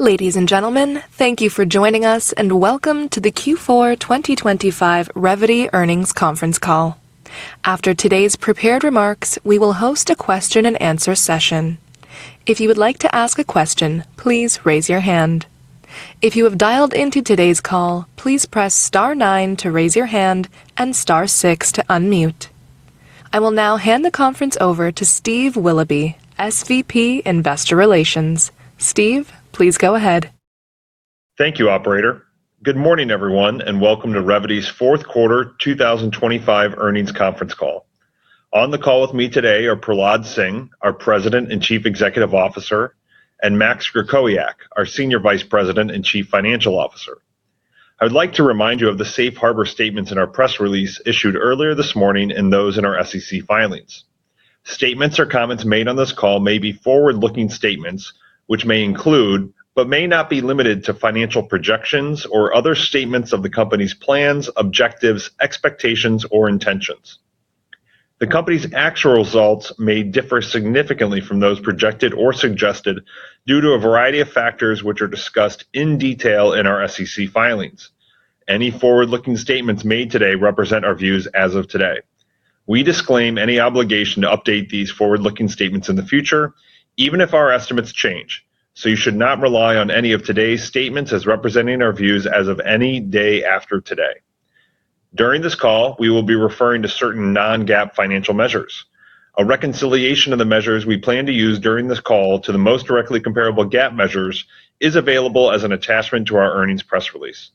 Ladies and gentlemen, thank you for joining us, and welcome to the Q4 2025 Revvity earnings conference call. After today's prepared remarks, we will host a question-and-answer session. If you would like to ask a question, please raise your hand. If you have dialed into today's call, please press star nine to raise your hand and star six to unmute. I will now hand the conference over to Steve Willoughby, SVP, Investor Relations. Steve, please go ahead. Thank you, operator. Good morning, everyone, and welcome to Revvity's Fourth Quarter 2025 Earnings conference call. On the call with me today are Prahlad Singh, our President and Chief Executive Officer, and Max Krakowiak, our Senior Vice President and Chief Financial Officer. I would like to remind you of the safe harbor statements in our press release issued earlier this morning and those in our SEC filings. Statements or comments made on this call may be forward-looking statements, which may include, but may not be limited to, financial projections or other statements of the company's plans, objectives, expectations, or intentions. The company's actual results may differ significantly from those projected or suggested due to a variety of factors, which are discussed in detail in our SEC filings. Any forward-looking statements made today represent our views as of today. We disclaim any obligation to update these forward-looking statements in the future, even if our estimates change, so you should not rely on any of today's statements as representing our views as of any day after today. During this call, we will be referring to certain non-GAAP financial measures. A reconciliation of the measures we plan to use during this call to the most directly comparable GAAP measures is available as an attachment to our earnings press release.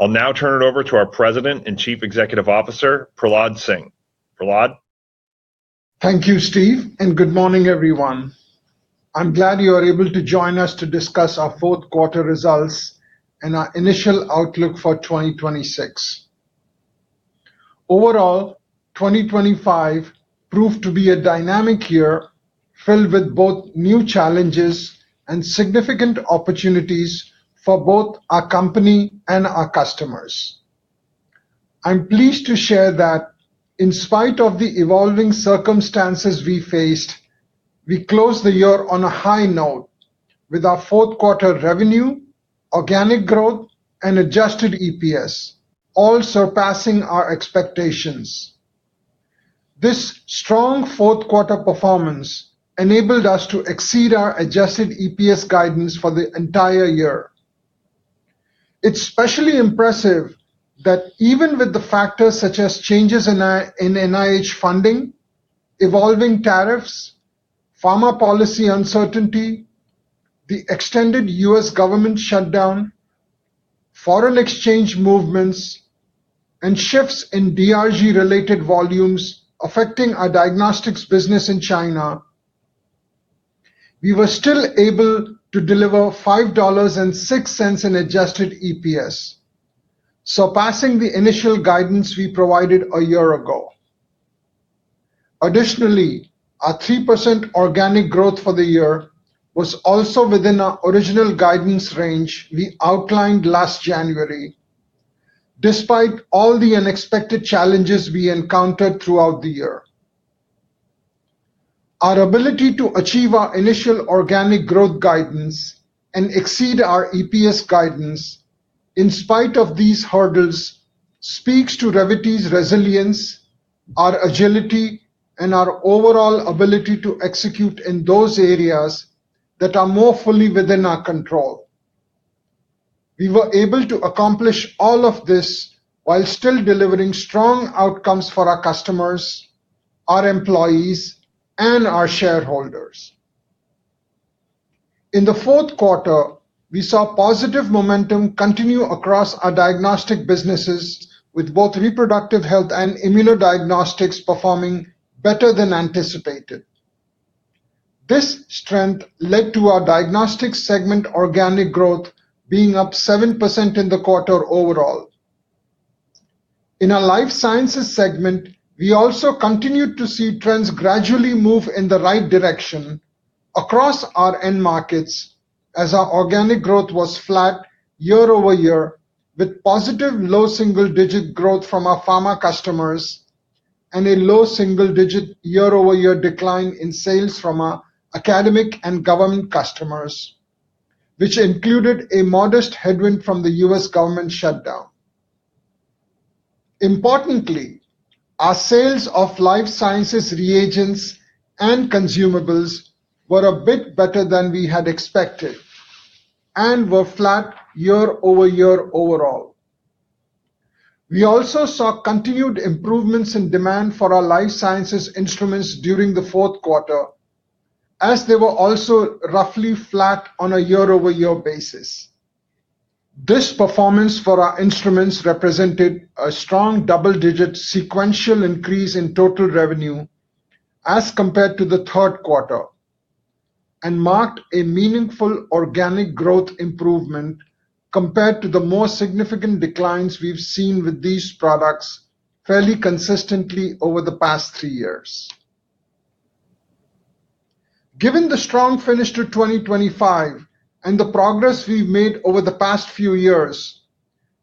I'll now turn it over to our President and Chief Executive Officer, Prahlad Singh. Prahlad? Thank you, Steve, and good morning, everyone. I'm glad you are able to join us to discuss our fourth quarter results and our initial outlook for 2026. Overall, 2025 proved to be a dynamic year, filled with both new challenges and significant opportunities for both our company and our customers. I'm pleased to share that in spite of the evolving circumstances we faced, we closed the year on a high note with our fourth quarter revenue, organic growth, and adjusted EPS, all surpassing our expectations. This strong fourth quarter performance enabled us to exceed our adjusted EPS guidance for the entire year. It's especially impressive that even with the factors such as changes in our NIH funding, evolving tariffs, pharma policy uncertainty, the extended U.S. government shutdown, foreign exchange movements, and shifts in DRG-related volumes affecting our diagnostics business in China, we were still able to deliver $5.06 in adjusted EPS, surpassing the initial guidance we provided a year ago. Additionally, our 3% organic growth for the year was also within our original guidance range we outlined last January, despite all the unexpected challenges we encountered throughout the year. Our ability to achieve our initial organic growth guidance and exceed our EPS guidance in spite of these hurdles speaks to Revvity's resilience, our agility, and our overall ability to execute in those areas that are more fully within our control. We were able to accomplish all of this while still delivering strong outcomes for our customers, our employees, and our shareholders. In the fourth quarter, we saw positive momentum continue across our diagnostic businesses, with both Reproductive Health and Immunodiagnostics performing better than anticipated. This strength led to our diagnostics segment organic growth being up 7% in the quarter overall. In our life sciences segment, we also continued to see trends gradually move in the right direction across our end markets as our organic growth was flat year-over-year, with positive low single-digit growth from our pharma customers and a low single-digit year-over-year decline in sales from our academic and government customers, which included a modest headwind from the U.S. government shutdown. Importantly, our sales of life sciences reagents and consumables were a bit better than we had expected and were flat year-over-year overall. We also saw continued improvements in demand for our life sciences instruments during the fourth quarter, as they were also roughly flat on a year-over-year basis. This performance for our instruments represented a strong double-digit sequential increase in total revenue as compared to the third quarter and marked a meaningful organic growth improvement compared to the more significant declines we've seen with these products fairly consistently over the past three years. Given the strong finish to 2025 and the progress we've made over the past few years,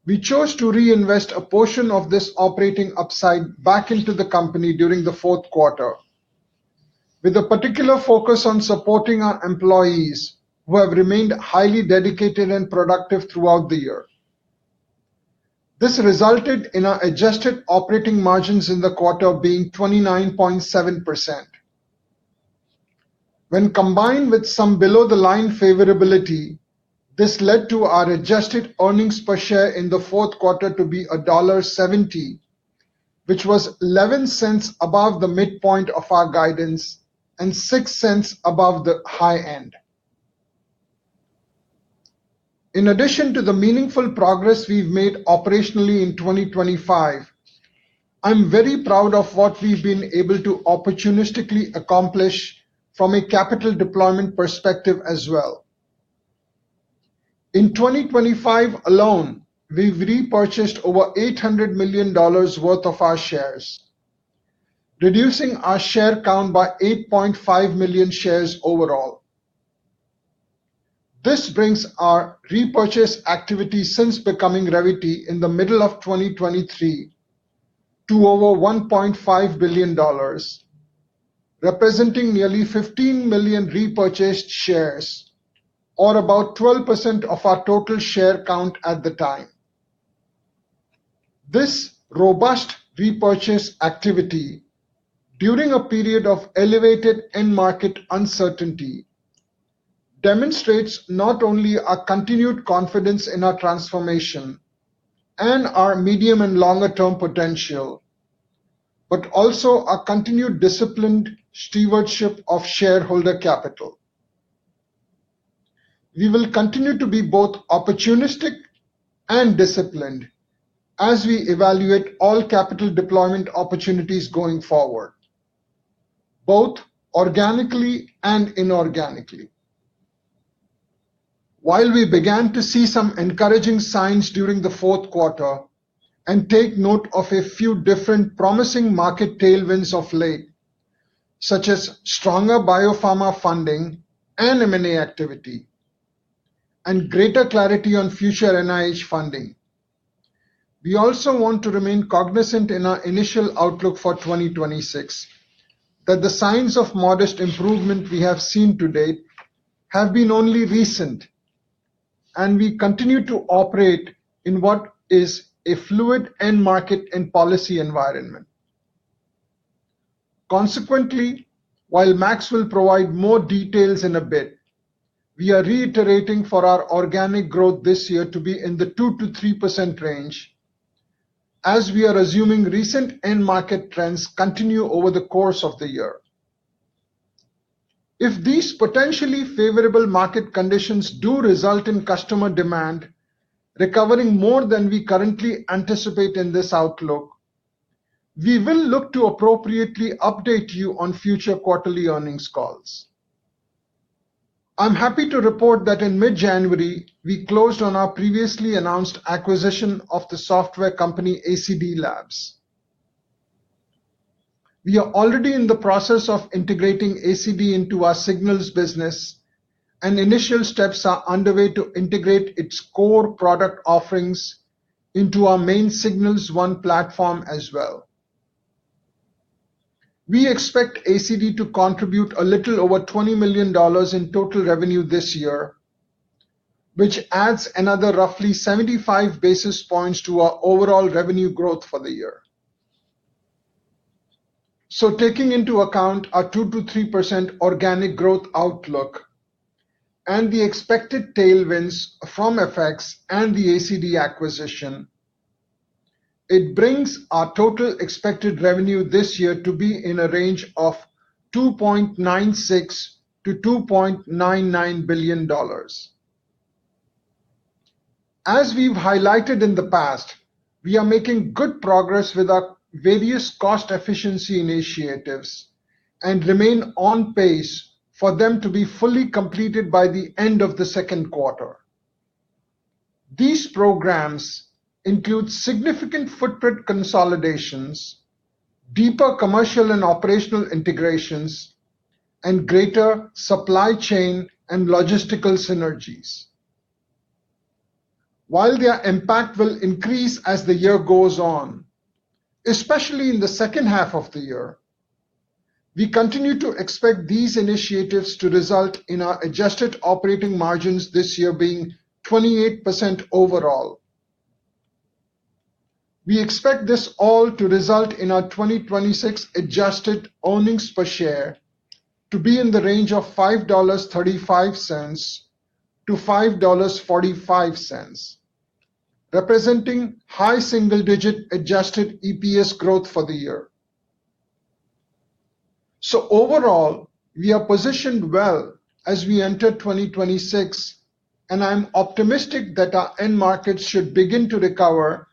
we chose to reinvest a portion of this operating upside back into the company during the fourth quarter, with a particular focus on supporting our employees, who have remained highly dedicated and productive throughout the year. This resulted in our adjusted operating margins in the quarter being 29.7%. When combined with some below-the-line favorability, this led to our adjusted earnings per share in the fourth quarter to be $1.70, which was $0.11 above the midpoint of our guidance and $0.06 above the high end. In addition to the meaningful progress we've made operationally in 2025, I'm very proud of what we've been able to opportunistically accomplish from a capital deployment perspective as well. In 2025 alone, we've repurchased over $800 million worth of our shares, reducing our share count by 8.5 million shares overall. This brings our repurchase activity since becoming Revvity in the middle of 2023 to over $1.5 billion, representing nearly 15 million repurchased shares or about 12% of our total share count at the time. This robust repurchase activity, during a period of elevated end market uncertainty, demonstrates not only our continued confidence in our transformation and our medium and longer-term potential, but also our continued disciplined stewardship of shareholder capital. We will continue to be both opportunistic and disciplined as we evaluate all capital deployment opportunities going forward, both organically and inorganically. While we began to see some encouraging signs during the fourth quarter and take note of a few different promising market tailwinds of late, such as stronger biopharma funding and M&A activity and greater clarity on future NIH funding, we also want to remain cognizant in our initial outlook for 2026 that the signs of modest improvement we have seen to date have been only recent, and we continue to operate in what is a fluid end market and policy environment. Consequently, while Max will provide more details in a bit, we are reiterating for our organic growth this year to be in the 2%-3% range, as we are assuming recent end market trends continue over the course of the year. If these potentially favorable market conditions do result in customer demand recovering more than we currently anticipate in this outlook, we will look to appropriately update you on future quarterly earnings calls. I'm happy to report that in mid-January, we closed on our previously announced acquisition of the software company ACD/Labs. We are already in the process of integrating ACD/Labs into our Signals business, and initial steps are underway to integrate its core product offerings into our main Signals One platform as well. We expect ACD to contribute a little over $20 million in total revenue this year, which adds another roughly 75 basis points to our overall revenue growth for the year. So taking into account our 2%-3% organic growth outlook and the expected tailwinds from FX and the ACD acquisition, it brings our total expected revenue this year to be in a range of $2.96 billion-$2.99 billion. As we've highlighted in the past, we are making good progress with our various cost efficiency initiatives and remain on pace for them to be fully completed by the end of the second quarter. These programs include significant footprint consolidations, deeper commercial and operational integrations, and greater supply chain and logistical synergies. While their impact will increase as the year goes on, especially in the second half of the year, we continue to expect these initiatives to result in our adjusted operating margins this year being 28% overall. We expect this all to result in our 2026 adjusted earnings per share to be in the range of $5.35-$5.45, representing high single-digit adjusted EPS growth for the year. Overall, we are positioned well as we enter 2026, and I'm optimistic that our end markets should begin to recover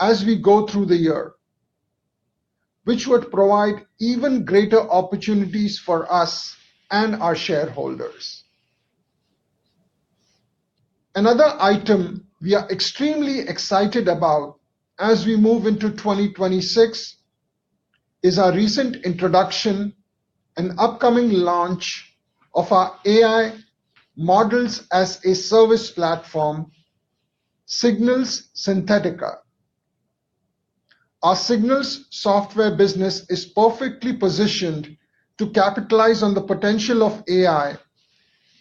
as we go through the year, which would provide even greater opportunities for us and our shareholders. Another item we are extremely excited about as we move into 2026 is our recent introduction and upcoming launch of our AI models-as-a-service platform, Signals Xynthetica. Our Signals software business is perfectly positioned to capitalize on the potential of AI,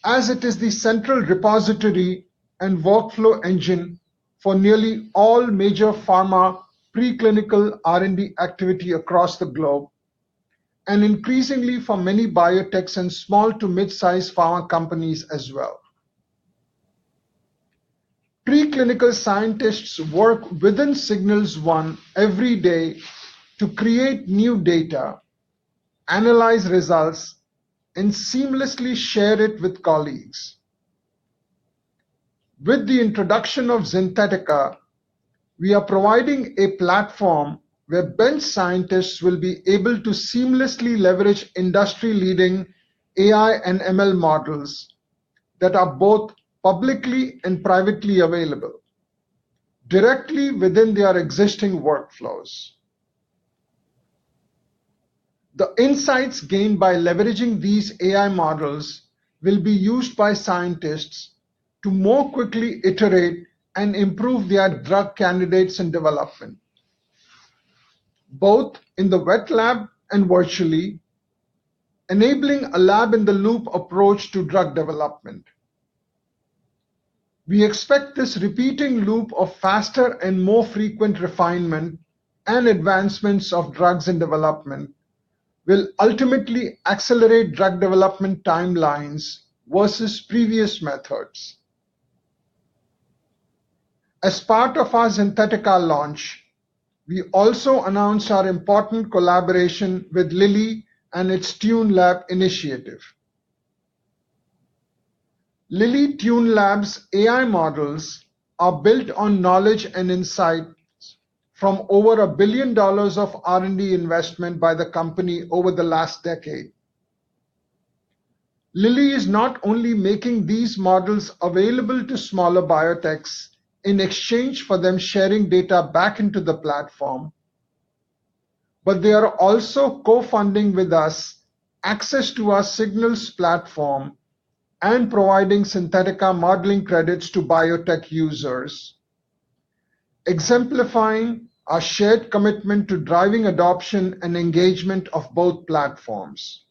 as it is the central repository and workflow engine for nearly all major pharma preclinical R&D activity across the globe, and increasingly for many biotechs and small to mid-size pharma companies as well. Preclinical scientists work within Signals One every day to create new data, analyze results, and seamlessly share it with colleagues. With the introduction of Xynthetica, we are providing a platform where bench scientists will be able to seamlessly leverage industry-leading AI and ML models that are both publicly and privately available, directly within their existing workflows. The insights gained by leveraging these AI models will be used by scientists to more quickly iterate and improve their drug candidates in development, both in the wet lab and virtually, enabling a lab-in-the-loop approach to drug development. We expect this repeating loop of faster and more frequent refinement and advancements of drugs in development will ultimately accelerate drug development timelines versus previous methods. As part of our Xynthetica launch, we also announced our important collaboration with Lilly and its TuneLab initiative. Lilly TuneLab's AI models are built on knowledge and insights from over $1 billion of R&D investment by the company over the last decade. Lilly is not only making these models available to smaller biotechs in exchange for them sharing data back into the platform, but they are also co-funding with us access to our Signals platform and providing Xynthetica modeling credits to biotech users, exemplifying our shared commitment to driving adoption and engagement of both platforms.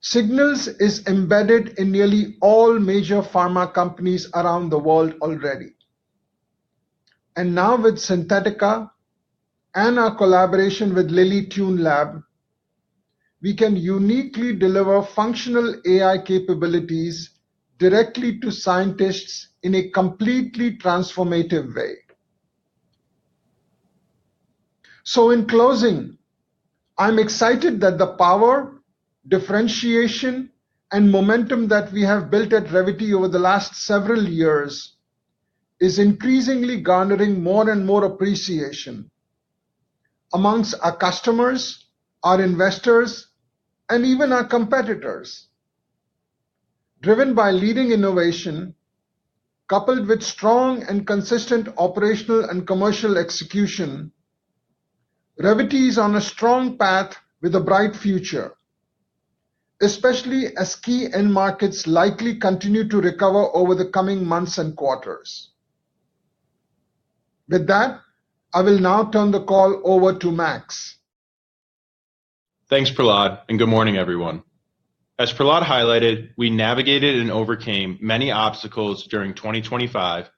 Signals is embedded in nearly all major pharma companies around the world already. And now with Xynthetica and our collaboration with Lilly TuneLab, we can uniquely deliver functional AI capabilities directly to scientists in a completely transformative way. So in closing, I'm excited that the power, differentiation, and momentum that we have built at Revvity over the last several years is increasingly garnering more and more appreciation amongst our customers, our investors, and even our competitors. Driven by leading innovation, coupled with strong and consistent operational and commercial execution, Revvity is on a strong path with a bright future, especially as key end markets likely continue to recover over the coming months and quarters. With that, I will now turn the call over to Max. Thanks, Prahlad, and good morning, everyone. As Prahlad highlighted, we navigated and overcame many obstacles during 2025,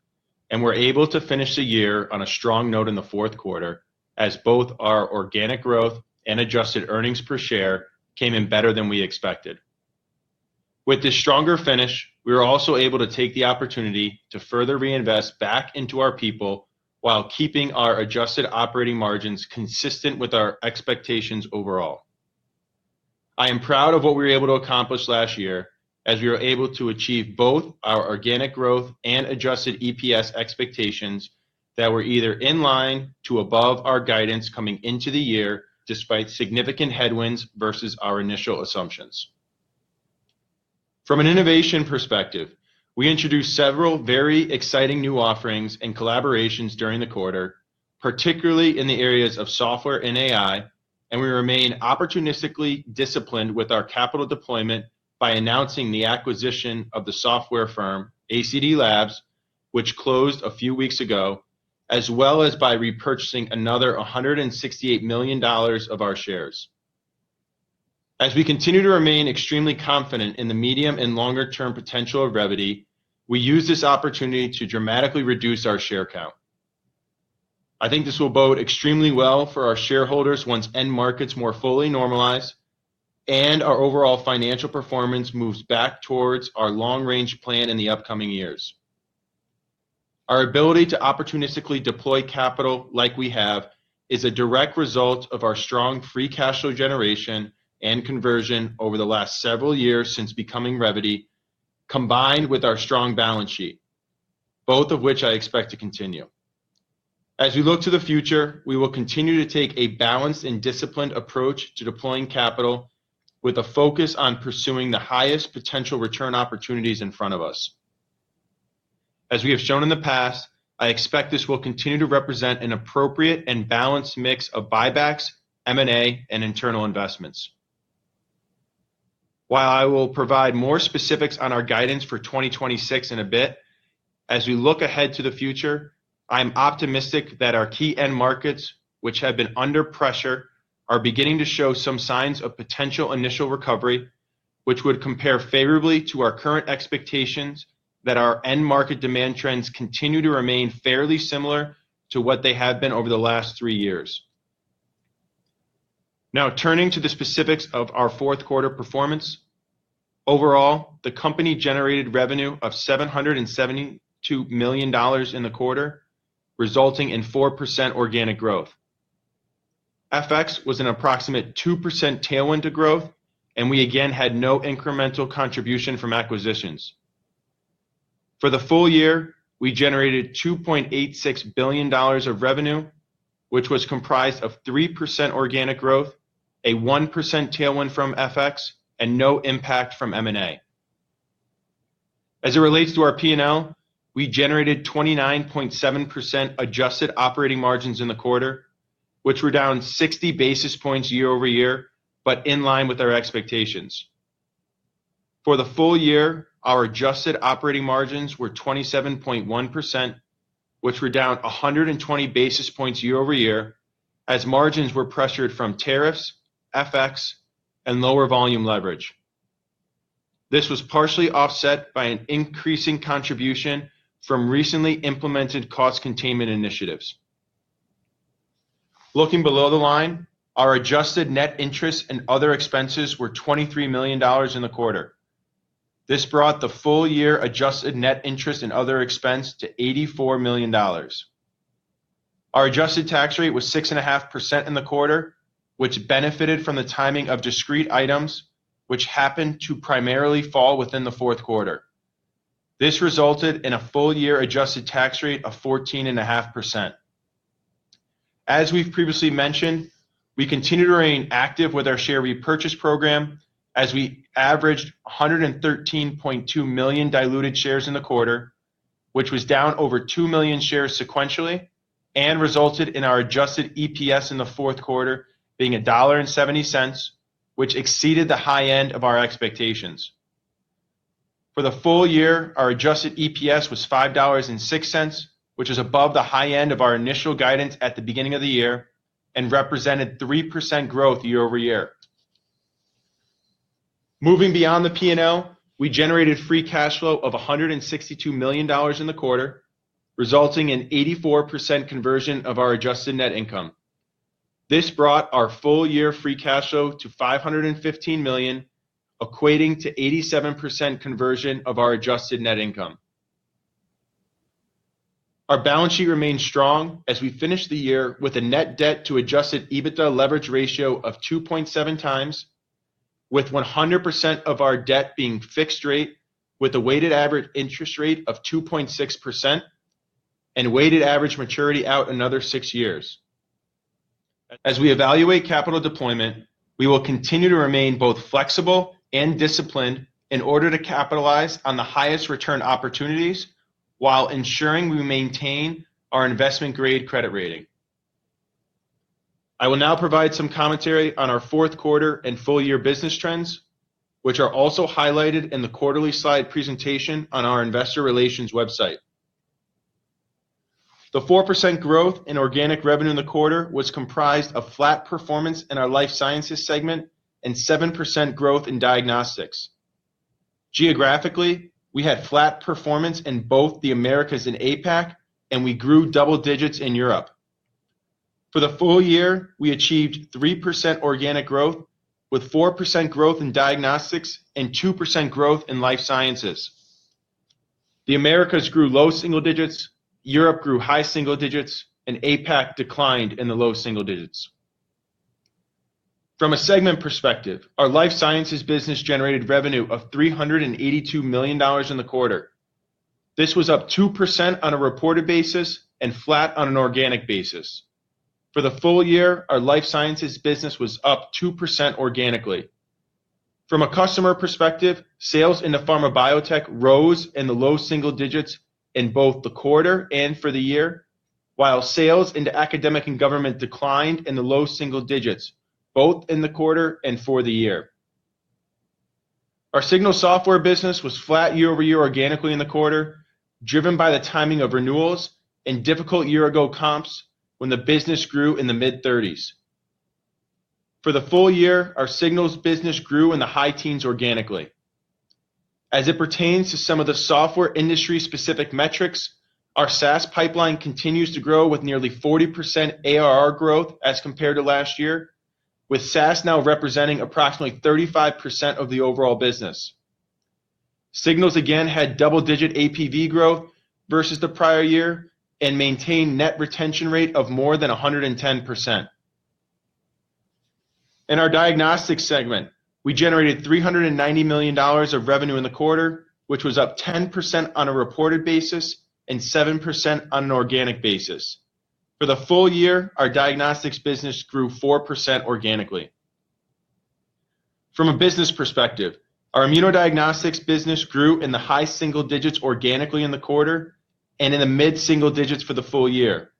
and were able to finish the year on a strong note in the fourth quarter, as both our organic growth and adjusted earnings per share came in better than we expected. With this stronger finish, we were also able to take the opportunity to further reinvest back into our people while keeping our adjusted operating margins consistent with our expectations overall. I am proud of what we were able to accomplish last year, as we were able to achieve both our organic growth and adjusted EPS expectations that were either in line to above our guidance coming into the year, despite significant headwinds versus our initial assumptions. From an innovation perspective, we introduced several very exciting new offerings and collaborations during the quarter, particularly in the areas of software and AI, and we remain opportunistically disciplined with our capital deployment by announcing the acquisition of the software firm, ACD/Labs, which closed a few weeks ago, as well as by repurchasing another $168 million of our shares. As we continue to remain extremely confident in the medium and longer-term potential of Revvity, we use this opportunity to dramatically reduce our share count. I think this will bode extremely well for our shareholders once end markets more fully normalize and our overall financial performance moves back towards our long-range plan in the upcoming years. Our ability to opportunistically deploy capital like we have, is a direct result of our strong free cash flow generation and conversion over the last several years since becoming Revvity, combined with our strong balance sheet, both of which I expect to continue. As we look to the future, we will continue to take a balanced and disciplined approach to deploying capital, with a focus on pursuing the highest potential return opportunities in front of us. As we have shown in the past, I expect this will continue to represent an appropriate and balanced mix of buybacks, M&A, and internal investments. While I will provide more specifics on our guidance for 2026 in a bit, as we look ahead to the future, I'm optimistic that our key end markets, which have been under pressure, are beginning to show some signs of potential initial recovery, which would compare favorably to our current expectations that our end market demand trends continue to remain fairly similar to what they have been over the last three years. Now, turning to the specifics of our fourth quarter performance. Overall, the company generated revenue of $772 million in the quarter, resulting in 4% organic growth. FX was an approximate 2% tailwind to growth, and we again had no incremental contribution from acquisitions. For the full year, we generated $2.86 billion of revenue, which was comprised of 3% organic growth, a 1% tailwind from FX, and no impact from M&A. As it relates to our P&L, we generated 29.7% adjusted operating margins in the quarter, which were down 60 basis points year-over-year, but in line with our expectations. For the full year, our adjusted operating margins were 27.1%, which were down 120 basis points year-over-year, as margins were pressured from tariffs, FX, and lower volume leverage. This was partially offset by an increasing contribution from recently implemented cost containment initiatives. Looking below the line, our adjusted net interest and other expenses were $23 million in the quarter. This brought the full year adjusted net interest and other expense to $84 million. Our adjusted tax rate was 6.5% in the quarter, which benefited from the timing of discrete items, which happened to primarily fall within the fourth quarter. This resulted in a full year adjusted tax rate of 14.5%. As we've previously mentioned, we continue to remain active with our share repurchase program as we averaged 113.2 million diluted shares in the quarter, which was down over 2 million shares sequentially and resulted in our adjusted EPS in the fourth quarter being $1.70, which exceeded the high end of our expectations. For the full year, our adjusted EPS was $5.06, which is above the high end of our initial guidance at the beginning of the year and represented 3% growth year-over-year. Moving beyond the P&L, we generated free cash flow of $162 million in the quarter, resulting in 84% conversion of our adjusted net income. This brought our full year free cash flow to $515 million, equating to 87% conversion of our adjusted net income. Our balance sheet remains strong as we finish the year with a net debt to adjusted EBITDA leverage ratio of 2.7x, with 100% of our debt being fixed rate, with a weighted average interest rate of 2.6% and weighted average maturity out another six years. As we evaluate capital deployment, we will continue to remain both flexible and disciplined in order to capitalize on the highest return opportunities while ensuring we maintain our investment-grade credit rating. I will now provide some commentary on our fourth quarter and full year business trends, which are also highlighted in the quarterly slide presentation on our Investor Relations website. The 4% growth in organic revenue in the quarter was comprised of flat performance in our life sciences segment and 7% growth in diagnostics. Geographically, we had flat performance in both the Americas and APAC, and we grew double digits in Europe. For the full year, we achieved 3% organic growth, with 4% growth in diagnostics and 2% growth in life sciences. The Americas grew low single digits, Europe grew high single digits, and APAC declined in the low single digits. From a segment perspective, our life sciences business generated revenue of $382 million in the quarter. This was up 2% on a reported basis and flat on an organic basis. For the full year, our life sciences business was up 2% organically. From a customer perspective, sales in the pharma biotech rose in the low single digits in both the quarter and for the year, while sales into academic and government declined in the low single digits, both in the quarter and for the year. Our Signals software business was flat year-over-year organically in the quarter, driven by the timing of renewals and difficult year ago comps when the business grew in the mid-thirties. For the full year, our Signals business grew in the high teens organically. As it pertains to some of the software industry-specific metrics, our SaaS pipeline continues to grow with nearly 40% ARR growth as compared to last year, with SaaS now representing approximately 35% of the overall business. Signals again had double-digit APV growth versus the prior year and maintained net retention rate of more than 110%. In our diagnostics segment, we generated $390 million of revenue in the quarter, which was up 10% on a reported basis and 7% on an organic basis. For the full year, our diagnostics business grew 4% organically. From a business perspective, our Immunodiagnostics business grew in the high single digits organically in the quarter and in the mid-single digits for the full year.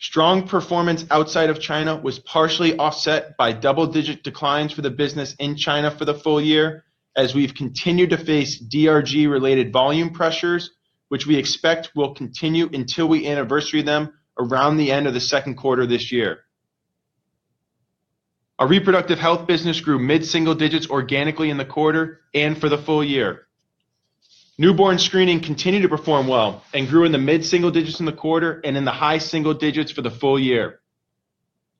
Strong performance outside of China was partially offset by double-digit declines for the business in China for the full year, as we've continued to face DRG-related volume pressures, which we expect will continue until we anniversary them around the end of the second quarter this year. Our Reproductive Health business grew mid-single digits organically in the quarter and for the full year. Newborn screening continued to perform well and grew in the mid-single digits in the quarter and in the high single digits for the full year.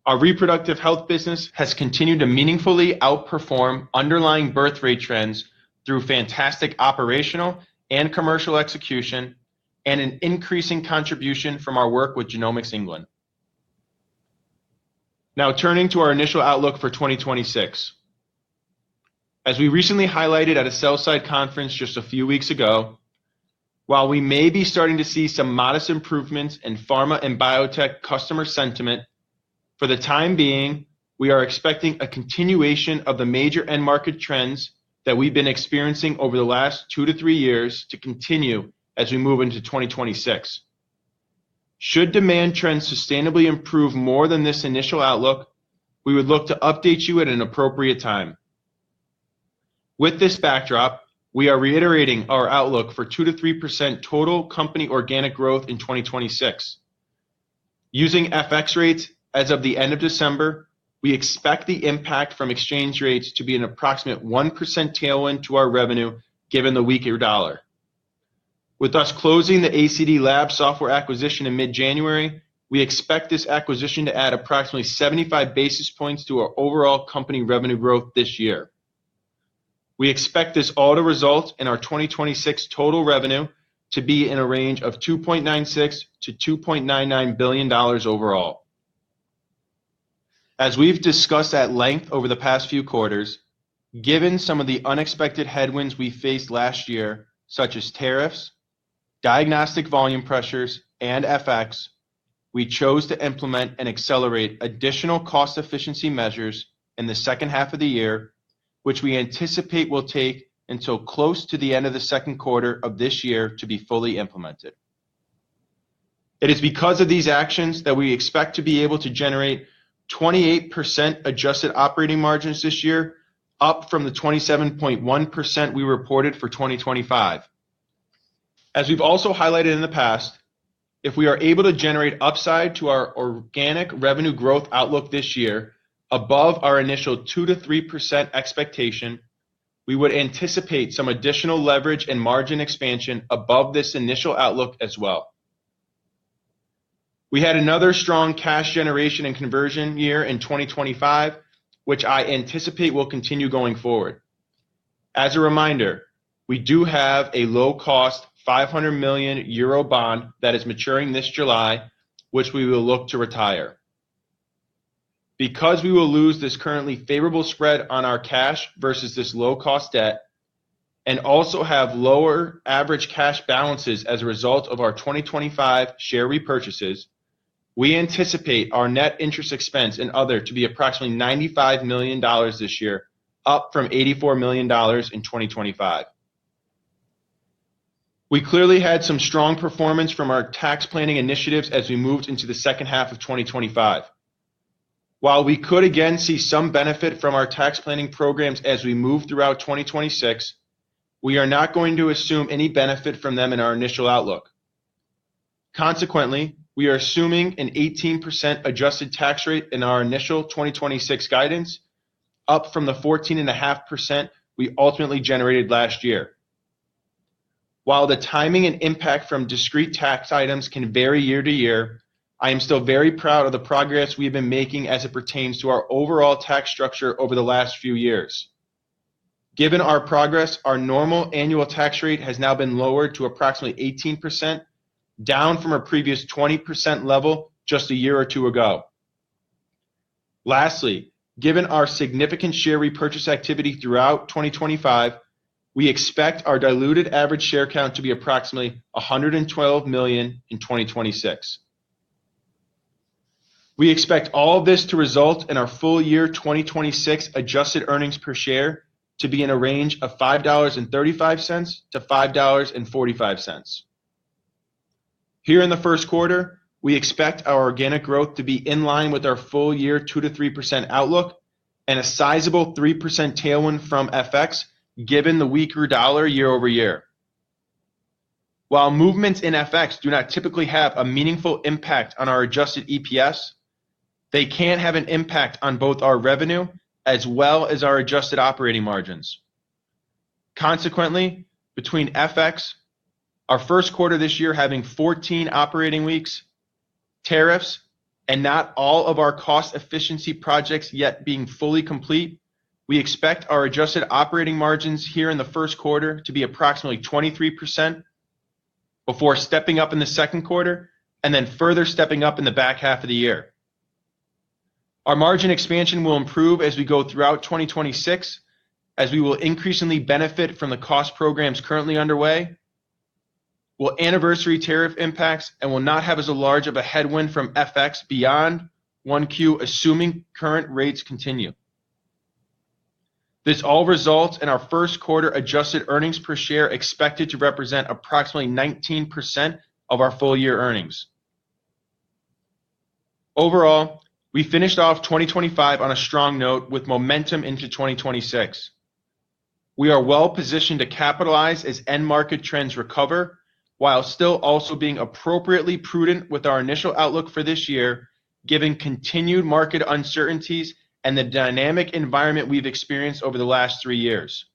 Our Reproductive Health business has continued to meaningfully outperform underlying birth rate trends through fantastic operational and commercial execution and an increasing contribution from our work with Genomics England. Now, turning to our initial outlook for 2026. As we recently highlighted at a sell-side conference just a few weeks ago, while we may be starting to see some modest improvements in pharma and biotech customer sentiment, for the time being, we are expecting a continuation of the major end market trends that we've been experiencing over the last two to three years to continue as we move into 2026. Should demand trends sustainably improve more than this initial outlook, we would look to update you at an appropriate time. With this backdrop, we are reiterating our outlook for 2%-3% total company organic growth in 2026. Using FX rates as of the end of December, we expect the impact from exchange rates to be an approximate 1% tailwind to our revenue, given the weaker dollar. With us closing the ACD/Labs software acquisition in mid-January, we expect this acquisition to add approximately 75 basis points to our overall company revenue growth this year. We expect this all to result in our 2026 total revenue to be in a range of $2.96 billion-$2.99 billion overall. As we've discussed at length over the past few quarters, given some of the unexpected headwinds we faced last year, such as tariffs, diagnostic volume pressures, and FX, we chose to implement and accelerate additional cost efficiency measures in the second half of the year, which we anticipate will take until close to the end of the second quarter of this year to be fully implemented. It is because of these actions that we expect to be able to generate 28% adjusted operating margins this year, up from the 27.1% we reported for 2025. As we've also highlighted in the past, if we are able to generate upside to our organic revenue growth outlook this year above our initial 2%-3% expectation, we would anticipate some additional leverage and margin expansion above this initial outlook as well. We had another strong cash generation and conversion year in 2025, which I anticipate will continue going forward. As a reminder, we do have a low-cost 500 million euro bond that is maturing this July, which we will look to retire. Because we will lose this currently favorable spread on our cash versus this low-cost debt and also have lower average cash balances as a result of our 2025 share repurchases, we anticipate our net interest expense and other to be approximately $95 million this year, up from $84 million in 2025. We clearly had some strong performance from our tax planning initiatives as we moved into the second half of 2025. While we could again see some benefit from our tax planning programs as we move throughout 2026, we are not going to assume any benefit from them in our initial outlook. Consequently, we are assuming an 18% adjusted tax rate in our initial 2026 guidance, up from the 14.5% we ultimately generated last year. While the timing and impact from discrete tax items can vary year to year, I am still very proud of the progress we've been making as it pertains to our overall tax structure over the last few years. Given our progress, our normal annual tax rate has now been lowered to approximately 18%, down from a previous 20% level just a year or two ago. Lastly, given our significant share repurchase activity throughout 2025, we expect our diluted average share count to be approximately 112 million in 2026. We expect all of this to result in our full year 2026 adjusted earnings per share to be in a range of $5.35-$5.45. Here in the first quarter, we expect our organic growth to be in line with our full year 2%-3% outlook and a sizable 3% tailwind from FX, given the weaker dollar year-over-year. While movements in FX do not typically have a meaningful impact on our adjusted EPS, they can have an impact on both our revenue as well as our adjusted operating margins. Consequently, between FX, our first quarter this year having 14 operating weeks, tariffs, and not all of our cost efficiency projects yet being fully complete, we expect our adjusted operating margins here in the first quarter to be approximately 23%, before stepping up in the second quarter, and then further stepping up in the back half of the year. Our margin expansion will improve as we go throughout 2026, as we will increasingly benefit from the cost programs currently underway, will anniversary tariff impacts, and will not have as large of a headwind from FX beyond 1Q, assuming current rates continue. This all results in our first quarter adjusted earnings per share expected to represent approximately 19% of our full-year earnings. Overall, we finished off 2025 on a strong note with momentum into 2026. We are well positioned to capitalize as end market trends recover, while still also being appropriately prudent with our initial outlook for this year, given continued market uncertainties and the dynamic environment we've experienced over the last three years.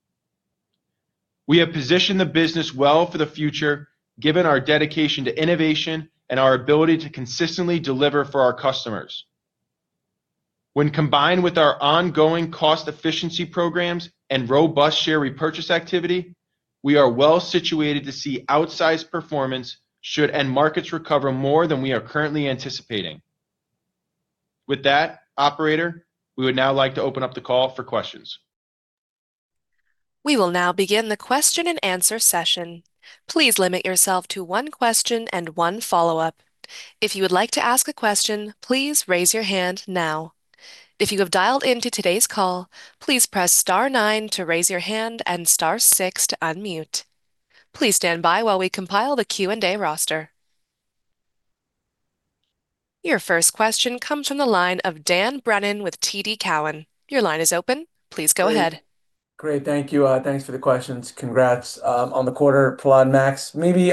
We have positioned the business well for the future, given our dedication to innovation and our ability to consistently deliver for our customers. When combined with our ongoing cost efficiency programs and robust share repurchase activity, we are well situated to see outsized performance should end markets recover more than we are currently anticipating. With that, operator, we would now like to open up the call for questions. We will now begin the question and answer session. Please limit yourself to one question and one follow-up. If you would like to ask a question, please raise your hand now. If you have dialed into today's call, please press star nine to raise your hand and star six to unmute. Please stand by while we compile the Q&A roster. Your first question comes from the line of Dan Brennan with TD Cowen. Your line is open. Please go ahead. Great. Thank you. Thanks for the questions. Congrats on the quarter, Prahlad, Max. Maybe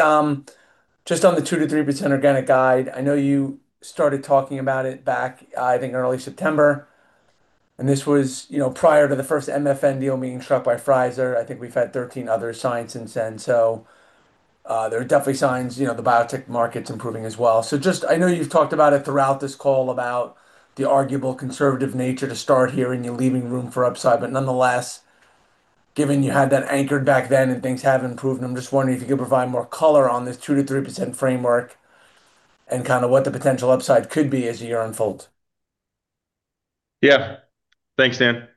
just on the 2%-3% organic guide, I know you started talking about it back, I think, early September, and this was, you know, prior to the first MFN deal being struck by Pfizer, I think we've had 13 other signs since then. So there are definitely signs, you know, the biotech market's improving as well. So just, I know you've talked about it throughout this call, about the arguable conservative nature to start here and you're leaving room for upside, but nonetheless, given you had that anchored back then and things have improved, I'm just wondering if you could provide more color on this 2%-3% framework and kind of what the potential upside could be as the year unfolds. Yeah. Thanks, Dan.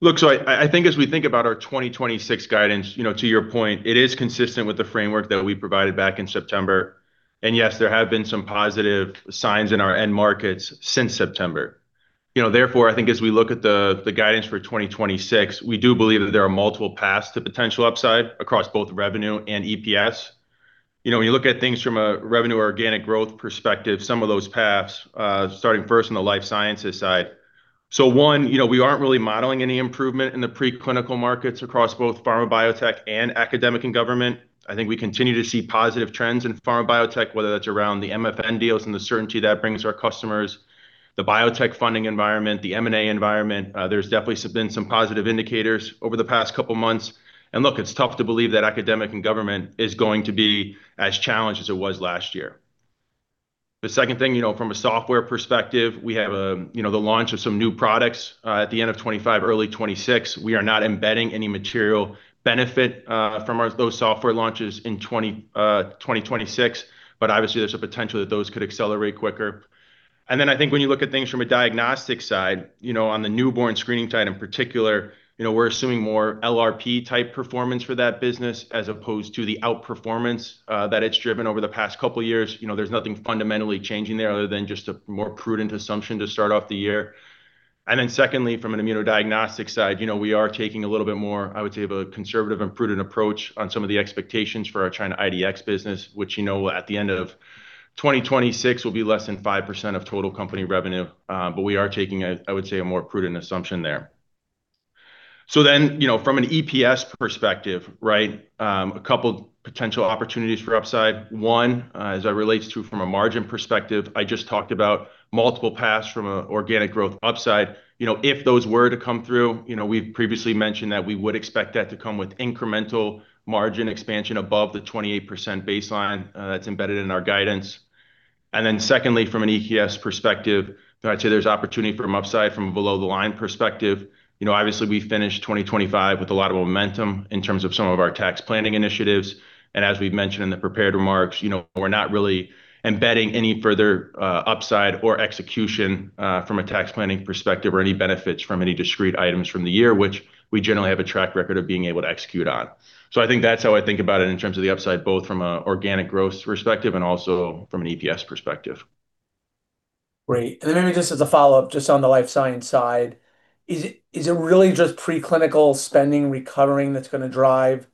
Look, so I think as we think about our 2026 guidance, you know, to your point, it is consistent with the framework that we provided back in September. And yes, there have been some positive signs in our end markets since September. You know, therefore, I think as we look at the guidance for 2026, we do believe that there are multiple paths to potential upside across both revenue and EPS. You know, when you look at things from a revenue or organic growth perspective, some of those paths, starting first on the life sciences side. So one, you know, we aren't really modeling any improvement in the preclinical markets across both pharma, biotech and academic and government. I think we continue to see positive trends in pharma, biotech, whether that's around the MFN deals and the certainty that brings to our customers, the biotech funding environment, the M&A environment. There's definitely been some positive indicators over the past couple of months. And look, it's tough to believe that academic and government is going to be as challenged as it was last year. The second thing, you know, from a software perspective, we have, you know, the launch of some new products, at the end of 2025, early 2026. We are not embedding any material benefit, from those software launches in 2026, but obviously, there's a potential that those could accelerate quicker. I think when you look at things from a diagnostics side, you know, on the newborn screening side in particular, you know, we're assuming more LRP-type performance for that business, as opposed to the outperformance that it's driven over the past couple of years. You know, there's nothing fundamentally changing there other than just a more prudent assumption to start off the year. Then secondly, from an immunodiagnostics side, you know, we are taking a little bit more, I would say, of a conservative and prudent approach on some of the expectations for our China IDX business, which, you know, at the end of 2026 will be less than 5% of total company revenue. But we are taking a, I would say, a more prudent assumption there. Then, you know, from an EPS perspective, right, a couple potential opportunities for upside. One, as it relates to from a margin perspective, I just talked about multiple paths from a organic growth upside. You know, if those were to come through, you know, we've previously mentioned that we would expect that to come with incremental margin expansion above the 28% baseline, that's embedded in our guidance. And then secondly, from an EPS perspective, I'd say there's opportunity from upside from a below-the-line perspective. You know, obviously, we finished 2025 with a lot of momentum in terms of some of our tax planning initiatives. And as we've mentioned in the prepared remarks, you know, we're not really embedding any further, upside or execution, from a tax planning perspective or any benefits from any discrete items from the year, which we generally have a track record of being able to execute on. I think that's how I think about it in terms of the upside, both from an organic growth perspective and also from an EPS perspective. Great. And then maybe just as a follow-up, just on the life science side, is it, is it really just preclinical spending recovering that's gonna drive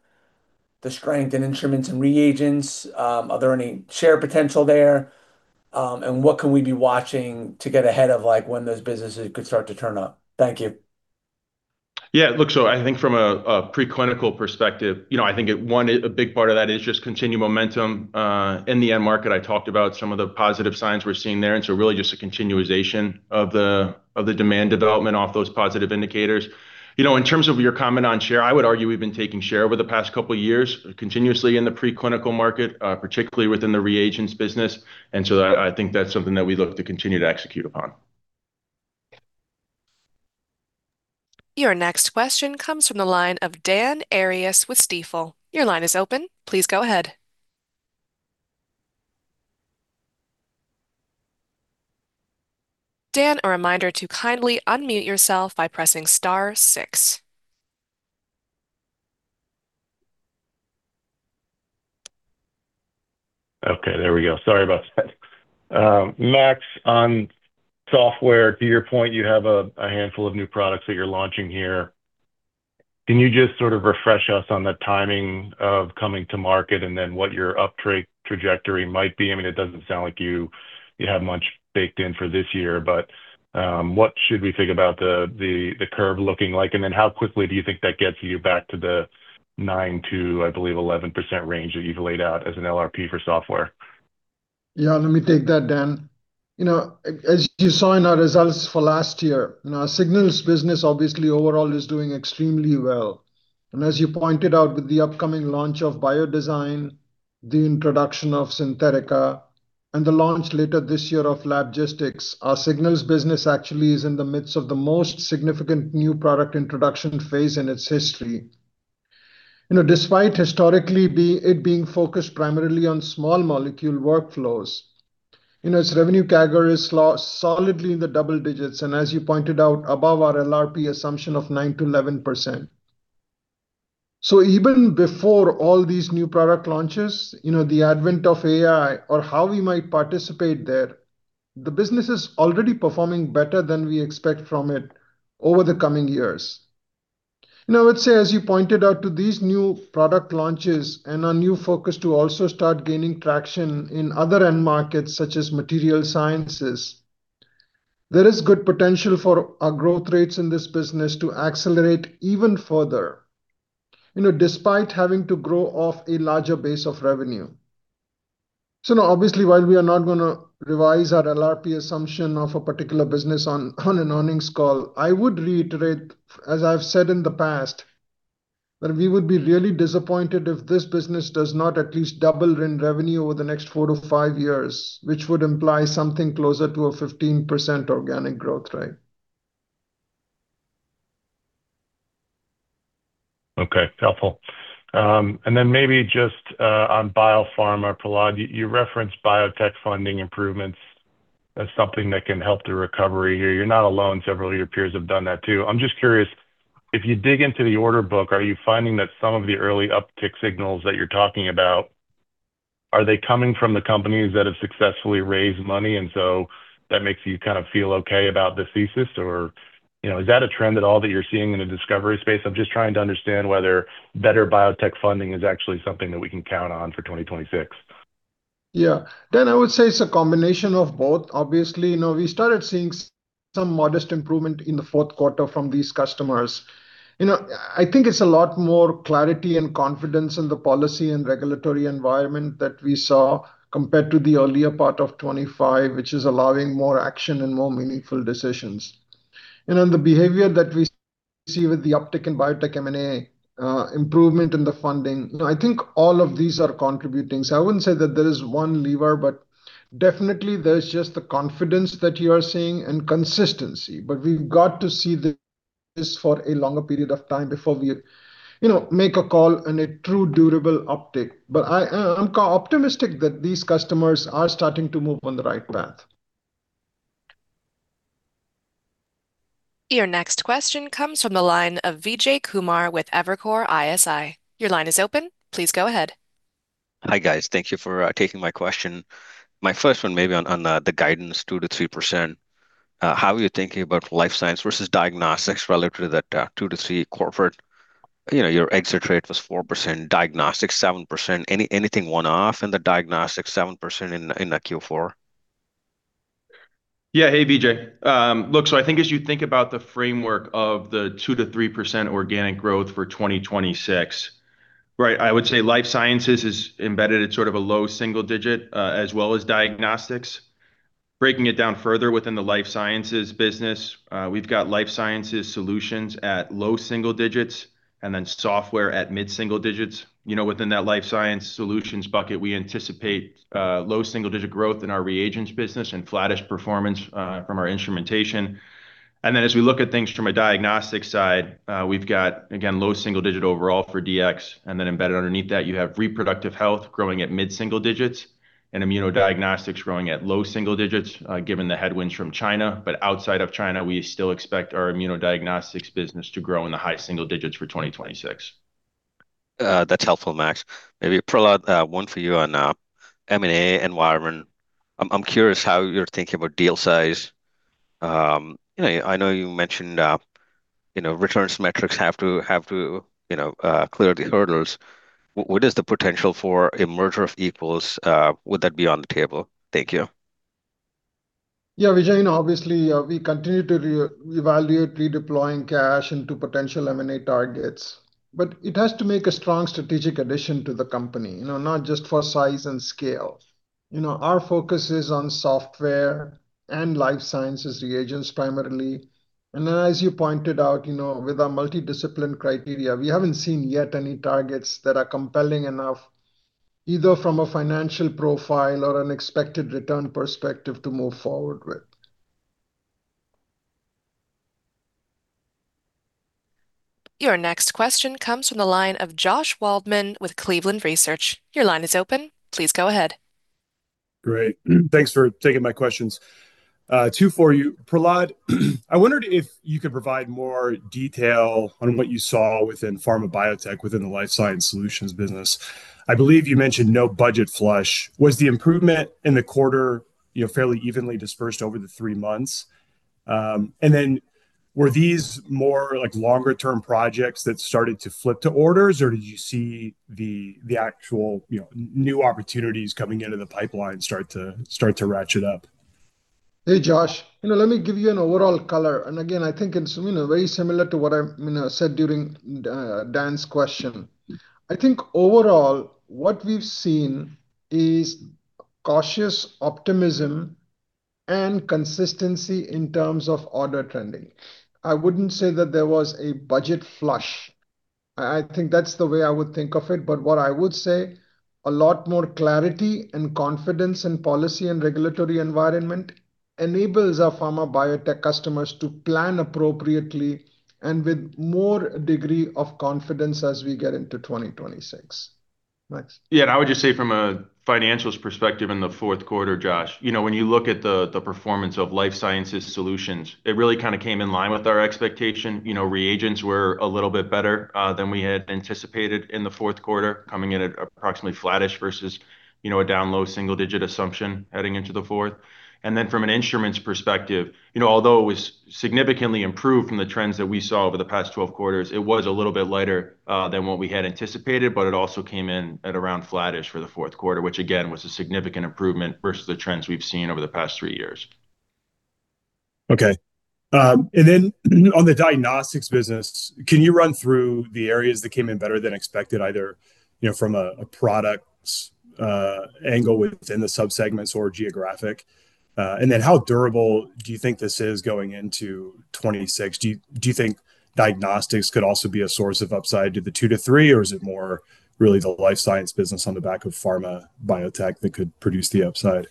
the strength in instruments and reagents? Are there any share potential there, and what can we be watching to get ahead of, like, when those businesses could start to turn up? Thank you. Yeah, look, so I think from a preclinical perspective, you know, I think one, a big part of that is just continued momentum in the end market. I talked about some of the positive signs we're seeing there, and so really just a continuation of the demand development off those positive indicators. You know, in terms of your comment on share, I would argue we've been taking share over the past couple of years, continuously in the preclinical market, particularly within the reagents business. And so I think that's something that we look to continue to execute upon. Your next question comes from the line of Dan Arias with Stifel. Your line is open. Please go ahead. Dan, a reminder to kindly unmute yourself by pressing star six. Okay, there we go. Sorry about that. Max, on software, to your point, you have a handful of new products that you're launching here. Can you just sort of refresh us on the timing of coming to market, and then what your trajectory might be? I mean, it doesn't sound like you have much baked in for this year, but what should we think about the curve looking like? And then how quickly do you think that gets you back to the 9%-11% range that you've laid out as an LRP for software? Yeah, let me take that, Dan. You know, as you saw in our results for last year, and our Signals business, obviously, overall is doing extremely well. And as you pointed out, with the upcoming launch of BioDesign, the introduction of Xynthetica, and the launch later this year of LabGistics, our Signals business actually is in the midst of the most significant new product introduction phase in its history. You know, despite historically it being focused primarily on small molecule workflows, you know, its revenue CAGR is solidly in the double digits, and as you pointed out, above our LRP assumption of 9%-11%. So even before all these new product launches, you know, the advent of AI or how we might participate there, the business is already performing better than we expect from it over the coming years. Now, I would say, as you pointed out, to these new product launches and our new focus to also start gaining traction in other end markets, such as material sciences, there is good potential for our growth rates in this business to accelerate even further, you know, despite having to grow off a larger base of revenue. So now, obviously, while we are not gonna revise our LRP assumption of a particular business on an earnings call, I would reiterate, as I've said in the past, that we would be really disappointed if this business does not at least double in revenue over the next four to five years, which would imply something closer to a 15% organic growth rate. Okay, helpful. And then maybe just, on biopharma, Prahlad, you, you referenced biotech funding improvements as something that can help the recovery here. You're not alone. Several of your peers have done that, too. I'm just curious, if you dig into the order book, are you finding that some of the early uptick signals that you're talking about, are they coming from the companies that have successfully raised money, and so that makes you kind of feel okay about the thesis? Or, you know, is that a trend at all that you're seeing in the discovery space? I'm just trying to understand whether better biotech funding is actually something that we can count on for 2026. Yeah. Dan, I would say it's a combination of both, obviously. You know, we started seeing some modest improvement in the fourth quarter from these customers. You know, I think it's a lot more clarity and confidence in the policy and regulatory environment that we saw compared to the earlier part of 2025, which is allowing more action and more meaningful decisions. And on the behavior that we see with the uptick in biotech M&A, improvement in the funding, you know, I think all of these are contributing. So I wouldn't say that there is one lever, but definitely there's just the confidence that you are seeing and consistency. But we've got to see this for a longer period of time before we, you know, make a call and a true, durable uptick. But I, I'm optimistic that these customers are starting to move on the right path. Your next question comes from the line of Vijay Kumar with Evercore ISI. Your line is open. Please go ahead. Hi, guys. Thank you for taking my question. My first one maybe on the guidance, 2%-3%. How are you thinking about life science versus diagnostics relative to that 2 to 3 quarter? You know, your exit rate was 4%, diagnostics 7%. Anything one-off in the diagnostics, 7% in the Q4? Yeah. Hey, Vijay. Look, so I think as you think about the framework of the 2%-3% organic growth for 2026, right, I would say life sciences is embedded at sort of a low single-digit, as well as diagnostics. Breaking it down further within the life sciences business, we've got life sciences solutions at low single digits and then software at mid single digits. You know, within that life science solutions bucket, we anticipate low single-digit growth in our reagents business and flattish performance from our instrumentation. And then as we look at things from a diagnostic side, we've got, again, low single-digit overall for DX, and then embedded underneath that, you have Reproductive Health growing at mid single digits and Immunodiagnostics growing at low single digits, given the headwinds from China. But outside of China, we still expect our immunodiagnostics business to grow in the high single digits for 2026. That's helpful, Max. Maybe, Prahlad, one for you on M&A environment. I'm curious how you're thinking about deal size. You know, I know you mentioned, you know, returns metrics have to clear the hurdles. What is the potential for a merger of equals? Would that be on the table? Thank you. Yeah, Vijay, obviously, we continue to re-evaluate redeploying cash into potential M&A targets, but it has to make a strong strategic addition to the company, you know, not just for size and scale. You know, our focus is on software and life sciences reagents, primarily. And then, as you pointed out, you know, with our multi-discipline criteria, we haven't seen yet any targets that are compelling enough, either from a financial profile or an expected return perspective, to move forward with. Your next question comes from the line of Josh Waldman with Cleveland Research. Your line is open. Please go ahead. Great. Thanks for taking my questions. Two for you. Prahlad, I wondered if you could provide more detail on what you saw within pharma biotech, within the life science solutions business. I believe you mentioned no budget flush. Was the improvement in the quarter, you know, fairly evenly dispersed over the three months? And then were these more like longer-term projects that started to flip to orders, or did you see the actual, you know, new opportunities coming into the pipeline start to ratchet up? Hey, Josh, you know, let me give you an overall color, and again, I think it's, you know, very similar to what I, you know, said during Dan's question. I think overall, what we've seen is cautious optimism and consistency in terms of order trending. I wouldn't say that there was a budget flush. I, I think that's the way I would think of it, but what I would say, a lot more clarity and confidence in policy and regulatory environment enables our pharma biotech customers to plan appropriately and with more degree of confidence as we get into 2026. Next. Yeah, and I would just say from a financialist's perspective in the fourth quarter, Josh, you know, when you look at the performance of life sciences solutions, it really kind of came in line with our expectation. You know, reagents were a little bit better than we had anticipated in the fourth quarter, coming in at approximately flattish versus, you know, a down low single-digit assumption heading into the fourth. And then from an instruments perspective, you know, although it was significantly improved from the trends that we saw over the past 12 quarters, it was a little bit lighter than what we had anticipated, but it also came in at around flattish for the fourth quarter, which again, was a significant improvement versus the trends we've seen over the past three years. Okay. And then, on the diagnostics business, can you run through the areas that came in better than expected, either, you know, from a product's angle within the subsegments or geographic? And then, how durable do you think this is going into 2026? Do you think diagnostics could also be a source of upside to the 2 to 3, or is it more really the life science business on the back of pharma biotech that could produce the upside?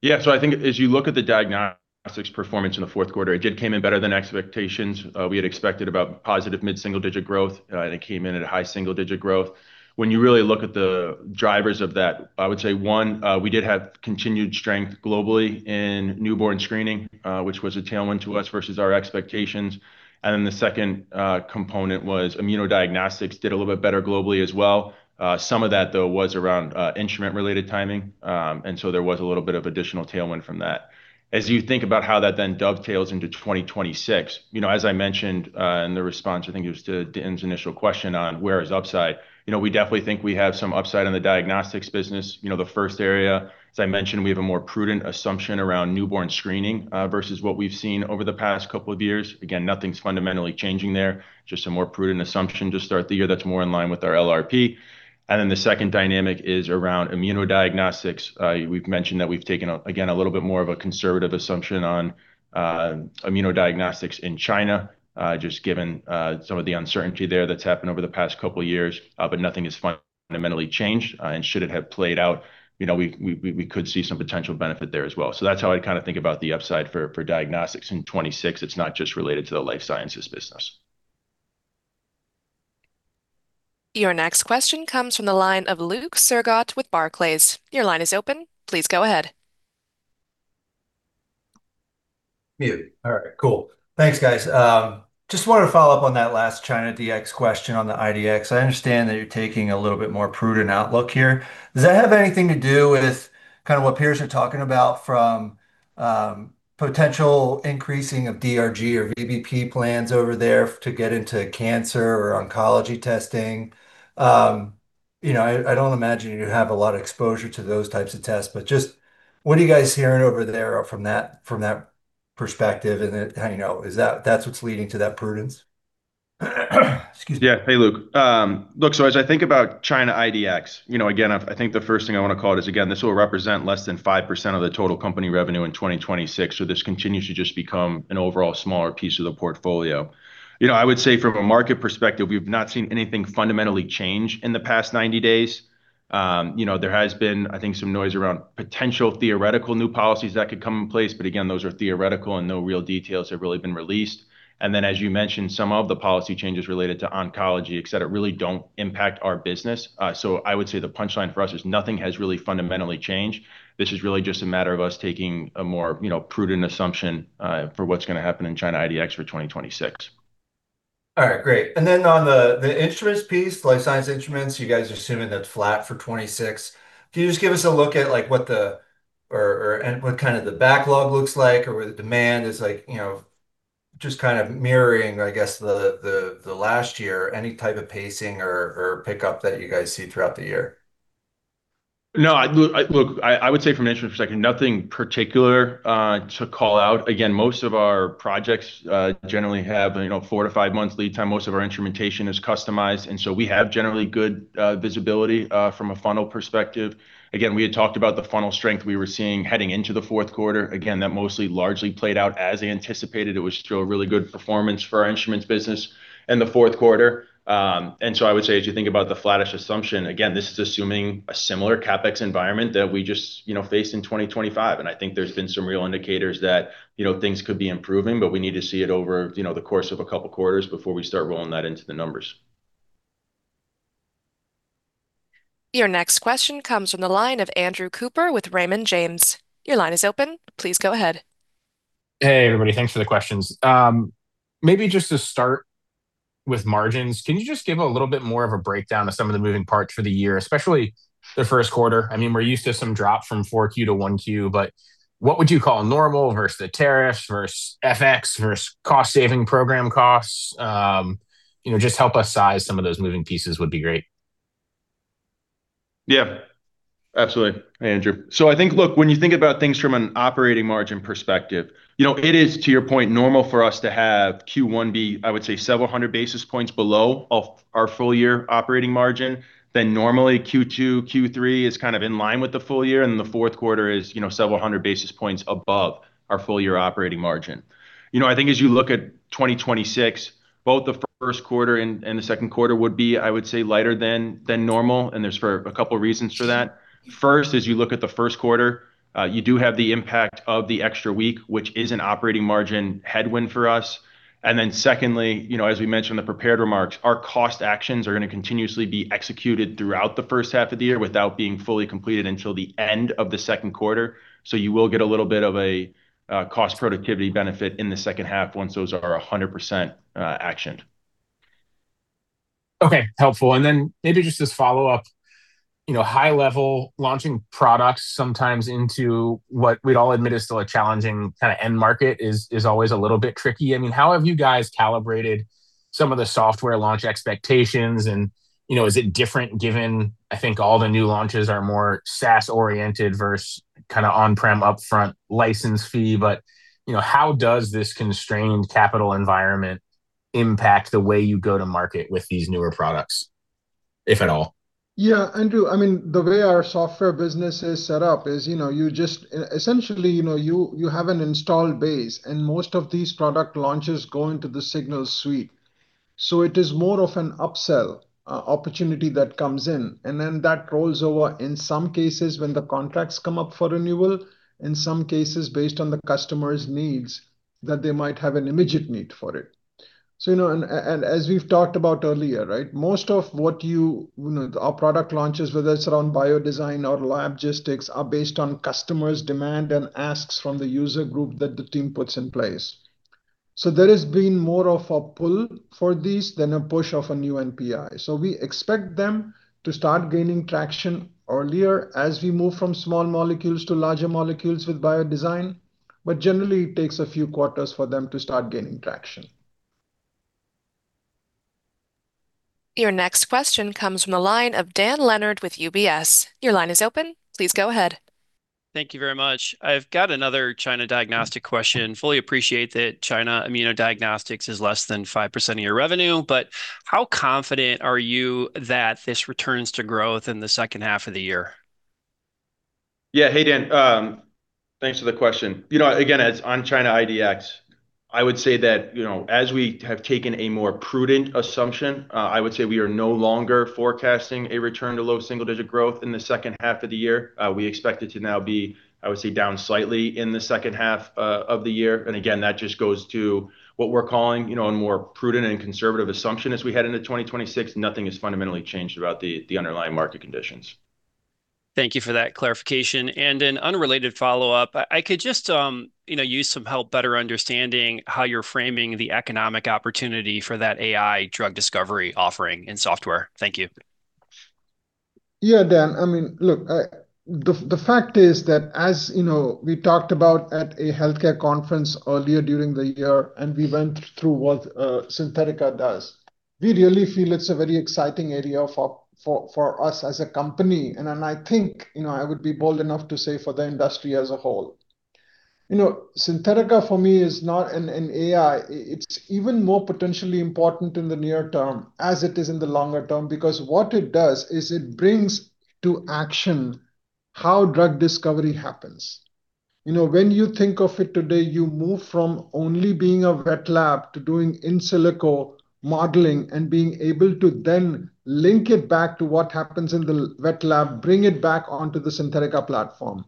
Yeah, so I think as you look at the diagnostics performance in the fourth quarter, it did came in better than expectations. We had expected about positive mid-single-digit growth, and it came in at a high single-digit growth. When you really look at the drivers of that, I would say, one, we did have continued strength globally in Newborn Screening, which was a tailwind to us versus our expectations. And then the second, component was Immunodiagnostics did a little bit better globally as well. Some of that, though, was around, instrument-related timing, and so there was a little bit of additional tailwind from that. As you think about how that then dovetails into 2026, you know, as I mentioned, in the response, I think it was to Dan's initial question on where is upside, you know, we definitely think we have some upside on the diagnostics business. You know, the first area, as I mentioned, we have a more prudent assumption around newborn screening, versus what we've seen over the past couple of years. Again, nothing's fundamentally changing there, just a more prudent assumption to start the year that's more in line with our LRP. And then, the second dynamic is around Immunodiagnostics. We've mentioned that we've taken, again, a little bit more of a conservative assumption on, Immunodiagnostics in China, just given, some of the uncertainty there that's happened over the past couple of years. But nothing is fundamentally changed, and should it have played out, you know, we could see some potential benefit there as well. So that's how I kind of think about the upside for diagnostics in 2026. It's not just related to the life sciences business. Your next question comes from the line of Luke Sergott with Barclays. Your line is open. Please go ahead. Mute. All right, cool. Thanks, guys. Just wanted to follow up on that last China DX question on the IDX. I understand that you're taking a little bit more prudent outlook here. Does that have anything to do with kind of what peers are talking about from potential increasing of DRG or VBP plans over there to get into cancer or oncology testing? You know, I don't imagine you have a lot of exposure to those types of tests, but just what are you guys hearing over there from that perspective, and then, how you know, is that that's what's leading to that prudence? Excuse me. Yeah. Hey, Luke. Look, so as I think about China IDX, you know, again, I think the first thing I want to call it is, again, this will represent less than 5% of the total company revenue in 2026, so this continues to just become an overall smaller piece of the portfolio. You know, I would say from a market perspective, we've not seen anything fundamentally change in the past 90 days. You know, there has been, I think, some noise around potential theoretical new policies that could come in place, but again, those are theoretical, and no real details have really been released. And then, as you mentioned, some of the policy changes related to oncology, et cetera, really don't impact our business. So I would say the punchline for us is nothing has really fundamentally changed. This is really just a matter of us taking a more, you know, prudent assumption for what's gonna happen in China IDX for 2026. All right, great. And then on the instruments piece, life science instruments, you guys are assuming that's flat for 2026. Can you just give us a look at, like, what the... or, or, and what kind of the backlog looks like, or where the demand is like, you know, just kind of mirroring, I guess, the last year, any type of pacing or, or pickup that you guys see throughout the year? No, look, I would say from an instrument perspective, nothing particular to call out. Again, most of our projects generally have, you know, four to five months lead time. Most of our instrumentation is customized, and so we have generally good visibility from a funnel perspective. Again, we had talked about the funnel strength we were seeing heading into the fourth quarter. Again, that mostly largely played out as anticipated. It was still a really good performance for our instruments business in the fourth quarter. And so I would say, as you think about the flattish assumption, again, this is assuming a similar CapEx environment that we just, you know, faced in 2025, and I think there's been some real indicators that, you know, things could be improving, but we need to see it over, you know, the course of a couple quarters before we start rolling that into the numbers. Your next question comes from the line of Andrew Cooper with Raymond James. Your line is open. Please go ahead. Hey, everybody. Thanks for the questions. Maybe just to start with margins, can you just give a little bit more of a breakdown of some of the moving parts for the year, especially the first quarter? I mean, we're used to some drops from 4Q to 1Q, but what would you call normal versus the tariffs versus FX versus cost saving program costs? You know, just help us size some of those moving pieces would be great. Yeah, absolutely, Andrew. So I think, look, when you think about things from an operating margin perspective, you know, it is, to your point, normal for us to have Q1 be, I would say, several hundred basis points below our full year operating margin. Then normally Q2, Q3 is kind of in line with the full year, and the fourth quarter is, you know, several hundred basis points above our full year operating margin. You know, I think as you look at 2026, both the first quarter and the second quarter would be, I would say, lighter than normal, and there are a couple of reasons for that. First, as you look at the first quarter, you do have the impact of the extra week, which is an operating margin headwind for us. And then secondly, you know, as we mentioned in the prepared remarks, our cost actions are gonna continuously be executed throughout the first half of the year without being fully completed until the end of the second quarter. So you will get a little bit of a cost productivity benefit in the second half once those are 100%, actioned. Okay, helpful. And then maybe just as follow-up, you know, high level, launching products sometimes into what we'd all admit is still a challenging kinda end market is always a little bit tricky. I mean, how have you guys calibrated some of the software launch expectations? And, you know, is it different, given, I think all the new launches are more SaaS-oriented versus kinda on-prem upfront license fee. But, you know, how does this constrained capital environment impact the way you go to market with these newer products, if at all? Yeah, Andrew, I mean, the way our software business is set up is, you know, you just essentially, you know, you have an installed base, and most of these product launches go into the Signals Suite. So it is more of an upsell opportunity that comes in, and then that rolls over, in some cases, when the contracts come up for renewal, in some cases, based on the customer's needs, that they might have an immediate need for it. So, you know, and, and as we've talked about earlier, right? Most of what you... You know, our product launches, whether it's around BioDesign or LabGistics, are based on customers' demand and asks from the user group that the team puts in place. So there has been more of a pull for these than a push of a new NPI. So we expect them to start gaining traction earlier as we move from small molecules to larger molecules with BioDesign. But generally, it takes a few quarters for them to start gaining traction. Your next question comes from the line of Dan Leonard with UBS. Your line is open. Please go ahead. Thank you very much. I've got another China diagnostic question. Fully appreciate that China immunodiagnostics is less than 5% of your revenue, but how confident are you that this returns to growth in the second half of the year? Yeah. Hey, Dan. Thanks for the question. You know, again, as on China IDX, I would say that, you know, as we have taken a more prudent assumption, I would say we are no longer forecasting a return to low single-digit growth in the second half of the year. We expect it to now be, I would say, down slightly in the second half of the year. And again, that just goes to what we're calling, you know, a more prudent and conservative assumption as we head into 2026. Nothing has fundamentally changed about the underlying market conditions. Thank you for that clarification. An unrelated follow-up. I could just, you know, use some help better understanding how you're framing the economic opportunity for that AI drug discovery offering in software. Thank you. Yeah, Dan. I mean, look, the fact is that, as you know, we talked about at a healthcare conference earlier during the year, and we went through what Xynthetica does. We really feel it's a very exciting area for us as a company, and I think, you know, I would be bold enough to say for the industry as a whole. You know, Xynthetica, for me, is not an AI. It's even more potentially important in the near term, as it is in the longer term, because what it does is it brings to action how drug discovery happens. You know, when you think of it today, you move from only being a wet lab to doing in silico modeling and being able to then link it back to what happens in the wet lab, bring it back onto the Xynthetica platform.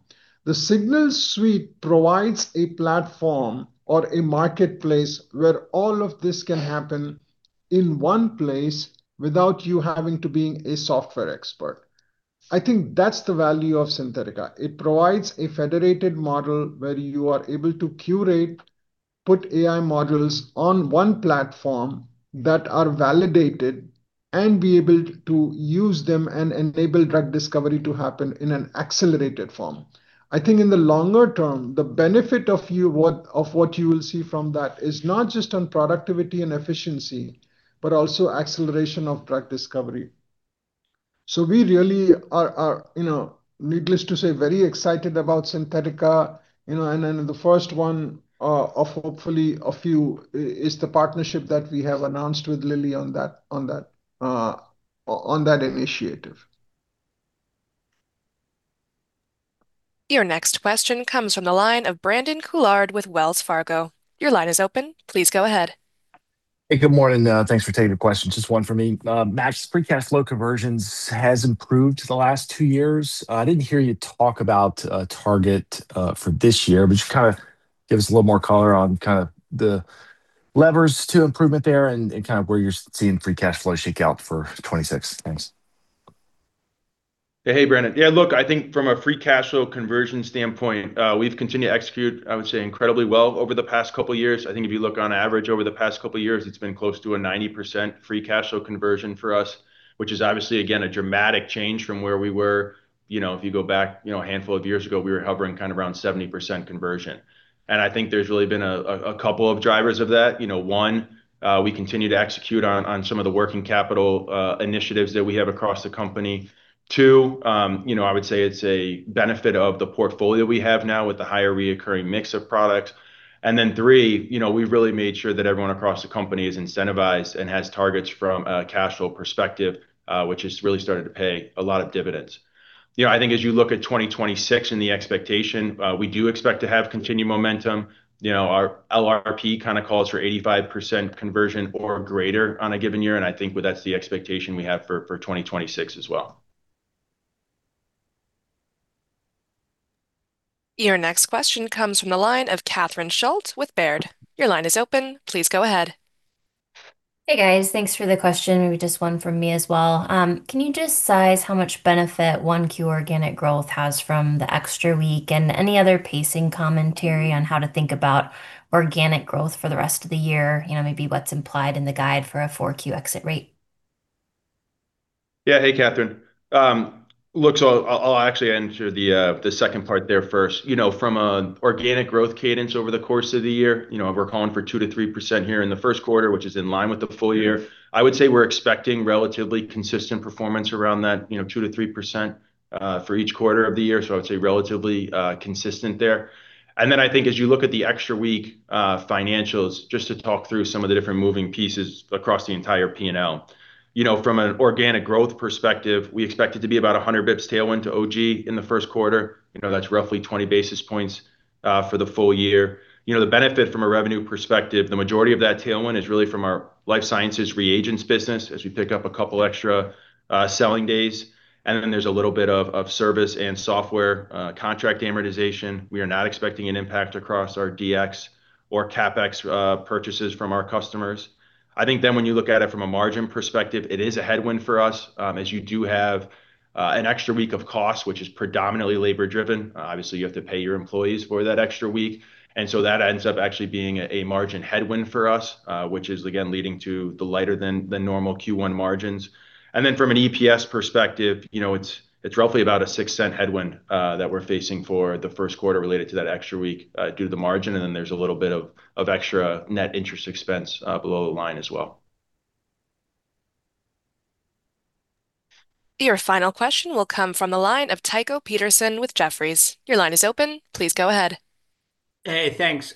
The Signals Suite provides a platform or a marketplace where all of this can happen in one place without you having to being a software expert. I think that's the value of Xynthetica. It provides a federated model where you are able to curate, put AI models on one platform that are validated, and be able to use them and enable drug discovery to happen in an accelerated form. I think in the longer term, the benefit of what you will see from that is not just on productivity and efficiency, but also acceleration of drug discovery. So we really are, you know, needless to say, very excited about Xynthetica, you know, and then the first one of hopefully a few is the partnership that we have announced with Lilly on that initiative. Your next question comes from the line of Brandon Couillard with Wells Fargo. Your line is open. Please go ahead. Hey, good morning. Thanks for taking the question. Just one for me. Max, free cash flow conversions has improved the last two years. I didn't hear you talk about target for this year, but just kinda-... Give us a little more color on kind of the levers to improvement there and, and kind of where you're seeing free cash flow shake out for 2026. Thanks. Hey, Brandon. Yeah, look, I think from a free cash flow conversion standpoint, we've continued to execute, I would say, incredibly well over the past couple years. I think if you look on average over the past couple years, it's been close to a 90% free cash flow conversion for us, which is obviously, again, a dramatic change from where we were. You know, if you go back, you know, a handful of years ago, we were hovering kind of around 70% conversion. And I think there's really been a couple of drivers of that. You know, one, we continue to execute on some of the working capital initiatives that we have across the company. Two, you know, I would say it's a benefit of the portfolio we have now with the higher recurring mix of products. And then three, you know, we've really made sure that everyone across the company is incentivized and has targets from a cash flow perspective, which has really started to pay a lot of dividends. You know, I think as you look at 2026 and the expectation, we do expect to have continued momentum. You know, our LRP kind of calls for 85% conversion or greater on a given year, and I think well that's the expectation we have for 2026 as well. Your next question comes from the line of Catherine Schulte with Baird. Your line is open. Please go ahead. Hey, guys. Thanks for the question. Maybe just one from me as well. Can you just size how much benefit 1Q organic growth has from the extra week, and any other pacing commentary on how to think about organic growth for the rest of the year? You know, maybe what's implied in the guide for a 4Q exit rate. Yeah. Hey, Catherine. Look, so I'll actually answer the second part there first. You know, from a organic growth cadence over the course of the year, you know, we're calling for 2%-3% here in the first quarter, which is in line with the full year. I would say we're expecting relatively consistent performance around that, you know, 2%-3%, for each quarter of the year, so I would say relatively consistent there. And then I think as you look at the extra week financials, just to talk through some of the different moving pieces across the entire P&L. You know, from an organic growth perspective, we expect it to be about 100 bps tailwind to OG in the first quarter. You know, that's roughly 20 basis points for the full year. You know, the benefit from a revenue perspective, the majority of that tailwind is really from our life sciences reagents business, as we pick up a couple extra selling days, and then there's a little bit of service and software contract amortization. We are not expecting an impact across our DX or CapEx purchases from our customers. I think then when you look at it from a margin perspective, it is a headwind for us, as you do have an extra week of cost, which is predominantly labor driven. Obviously, you have to pay your employees for that extra week, and so that ends up actually being a margin headwind for us, which is again leading to the lighter than normal Q1 margins. And then from an EPS perspective, you know, it's roughly about a $0.06 headwind that we're facing for the first quarter related to that extra week due to the margin, and then there's a little bit of extra net interest expense below the line as well. Your final question will come from the line of Tycho Peterson with Jefferies. Your line is open. Please go ahead. Hey, thanks.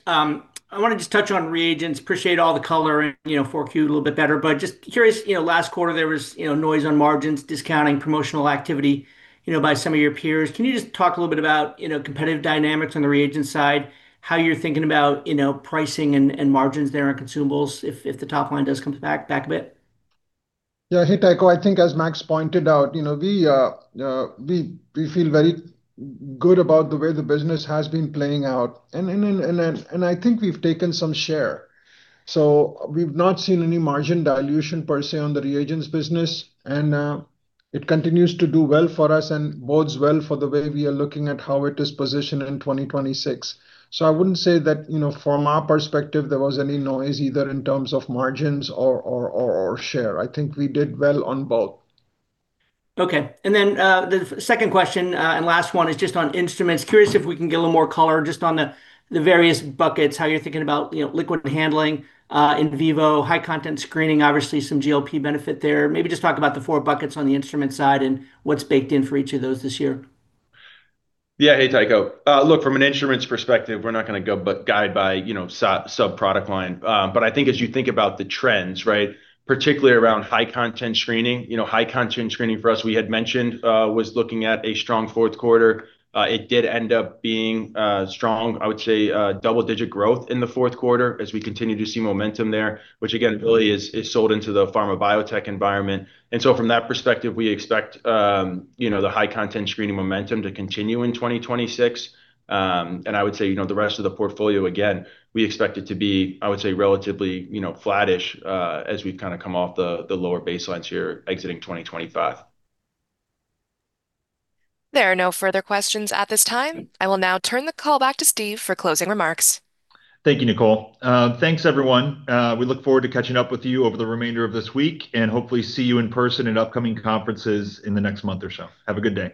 I wanna just touch on reagents. Appreciate all the color and, you know, Q4 a little bit better, but just curious, you know, last quarter there was, you know, noise on margins, discounting promotional activity, you know, by some of your peers. Can you just talk a little bit about, you know, competitive dynamics on the reagent side, how you're thinking about, you know, pricing and margins there on consumables, if the top line does come back a bit? Yeah. Hey, Tycho. I think as Max pointed out, you know, we, we feel very good about the way the business has been playing out. And I think we've taken some share. So we've not seen any margin dilution per se, on the reagents business, and it continues to do well for us and bodes well for the way we are looking at how it is positioned in 2026. So I wouldn't say that, you know, from our perspective, there was any noise, either in terms of margins or share. I think we did well on both. Okay. And then, the second question, and last one, is just on instruments. Curious if we can get a little more color just on the, the various buckets, how you're thinking about, you know, liquid handling, in vivo, high content screening, obviously some GLP benefit there. Maybe just talk about the four buckets on the instrument side and what's baked in for each of those this year. Yeah. Hey, Tycho. Look, from an instruments perspective, we're not gonna go but guide by, you know, sub-product line. But I think as you think about the trends, right, particularly around high-content screening, you know, high-content screening for us, we had mentioned was looking at a strong fourth quarter. It did end up being strong, I would say, double-digit growth in the fourth quarter as we continue to see momentum there, which again, really is sold into the pharma biotech environment. And so from that perspective, we expect, you know, the high-content screening momentum to continue in 2026. And I would say, you know, the rest of the portfolio, again, we expect it to be, I would say, relatively, you know, flattish, as we've kind of come off the lower baselines here exiting 2025. There are no further questions at this time. I will now turn the call back to Steve for closing remarks. Thank you, Nicole. Thanks, everyone. We look forward to catching up with you over the remainder of this week, and hopefully see you in person at upcoming conferences in the next month or so. Have a good day.